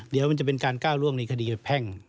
เดี๋ยวมันจะเป็นการก้าวล่วงในคดีกับแพ่ง